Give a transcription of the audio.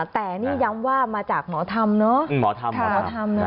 แต่นี่ย้ำว่ามาจากมธรรมเนาะ